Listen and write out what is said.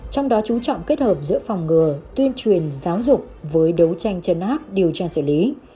trong đó chú trọng kết hợp giữa phòng ngừa tuyên truyền giáo dục với đấu tranh chấn áp điều tra xử lý